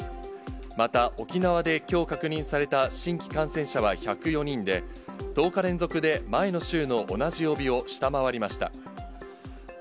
また沖縄できょう確認された新規感染者は１０４人で、１０日連続で前の週の同じ曜日を下回りました。